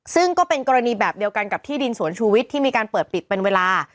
ซึ่งก็เป็นกรณีแบบเดียวกันกับที่ดินสวนชูวิทย์ที่มีการเปิดปิดเป็นเวลา